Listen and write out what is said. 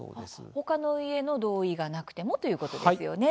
ほかの家の同意がなくてもということですよね。